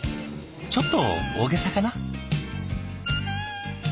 ちょっと大げさかな？